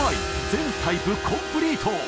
全タイプコンプリート！